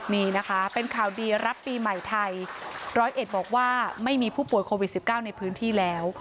นี่นะคะเป็นข่าวดีรับปีใหม่ไทยร้อยเอ็ดบอกว่าไม่มีผู้ป่วยโควิด๑๙ในพื้นที่แล้ว